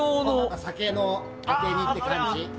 酒のアテにって感じ？